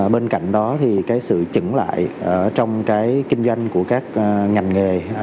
bên cạnh đó thì sự chứng lại trong kinh doanh của các ngành nghề